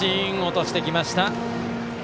落としてきました。